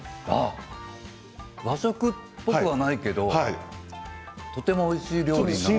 和食っぽくはないけどとても、おいしい料理。